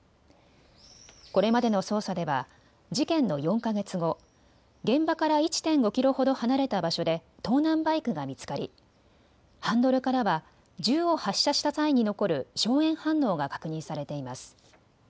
これまでの捜査では事件の４か月後、現場から１．５キロほど離れた場所で盗難バイクが見つかりハンドルからは銃を発射した際に残る硝煙反応が確認されています。